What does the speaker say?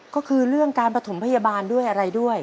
ก็คือเรื่องการประถมพยาบาลด้วยอะไรด้วย